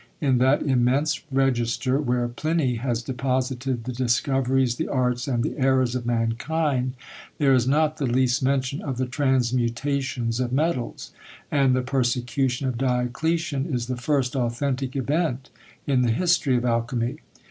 In that immense register where Pliny has deposited the discoveries, the arts, and the errors of mankind, there is not the least mention of the transmutations of metals; and the persecution of Diocletian is the first authentic event in the history of alchymy.